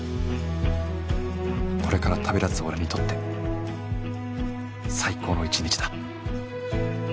これから旅立つ俺にとって最高の一日だ